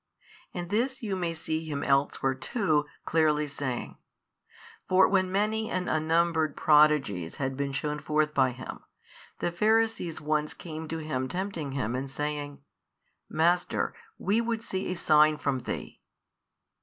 And this you may see Him elsewhere too, clearly saying: for when many and unnumbered prodigies had been shewn forth by Him, the Pharisees once came to Him tempting Him and saying, Master, we would see a sign from Thee.